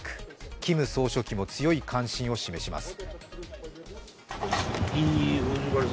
キム総書記も強い関心を示します。